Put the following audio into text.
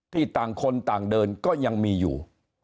ต่างคนต่างเดินก็ยังมีอยู่